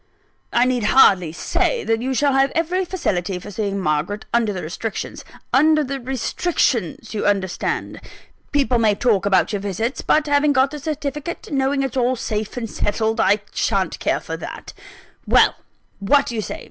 I need hardly say that you shall have every facility for seeing Margaret, under the restrictions under the restrictions, you understand. People may talk about your visits; but having got the certificate, and knowing it's all safe and settled, I shan't care for that. Well, what do you say?